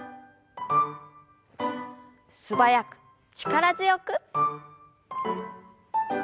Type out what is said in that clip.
素早く力強く。